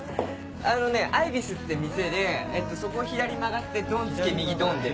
あのね「アイビス」って店でそこを左に曲がってドン突き右ドンで。